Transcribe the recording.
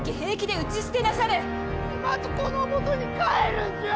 妻と子のもとに帰るんじゃあ！